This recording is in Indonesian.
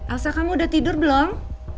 elsa kamu udah tidur belum